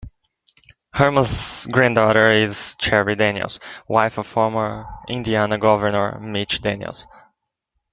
Herman's granddaughter is Cheri Daniels, wife of former Indiana Governor Mitch Daniels.